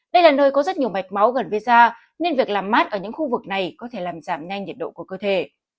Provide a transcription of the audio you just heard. đây là nơi có rất nhiều mạch máu gần visa nên việc làm mát ở những khu vực này có thể làm giảm nhanh nhiệt độ của cơ thể